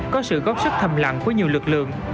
có sự góp sức thầm lặng của nhiều lực lượng